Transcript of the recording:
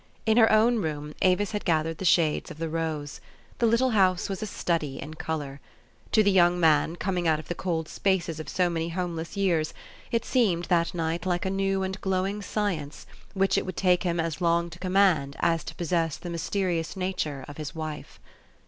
In her own room Avis had gathered the shades of the rose. The little house was a study in color. To the young man, coming out of the cold spaces of so many homeless years, it seemed, that night, like a new and glowing science, wilich it would take him as long to command as to possess the mysterious nature of his wife.